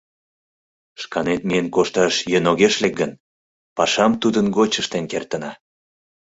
Шканет миен кошташ йӧн огеш лек гын, пашам тудын гоч ыштен кертына.